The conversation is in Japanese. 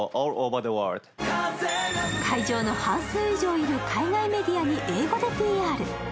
会場の半数以上いる海外メディアに英語でＰＲ。